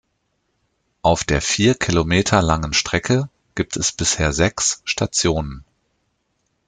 Auf der vier Kilometer langen Strecke gibt es bisher sechs Stationen.